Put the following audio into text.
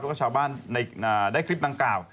แล้วก็ชาวบ้านได้คลิปดังกล่าว